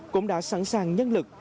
cũng đã sẵn sàng nhân lực